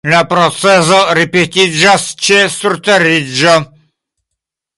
La procezo ripetiĝas ĉe surteriĝo.